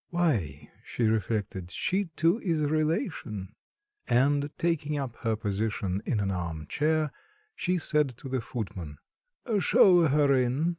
"Why," she reflected, "she too is a relation," and, taking up her position in an arm chair, she said to the footman, "Show her in."